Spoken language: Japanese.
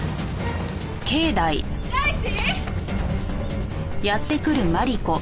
大地？